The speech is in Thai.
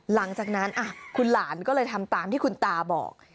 หลังจากนั้นคุณหลานก็เลยทำตามที่คุณตาบอก